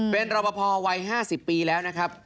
เป็นรอปภวัย๕๐ปีแล้วนะครับ